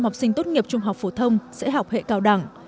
bốn mươi học sinh tốt nghiệp trung học phổ thông sẽ học hệ cao đẳng